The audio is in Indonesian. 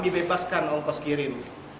lepaskan ongkos kirim